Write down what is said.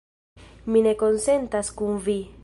Mi ne konsentas kun vi.